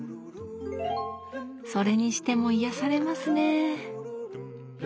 それにしても癒やされますね